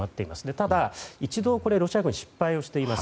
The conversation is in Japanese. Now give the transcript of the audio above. ただ、一度これにロシア軍は失敗しています。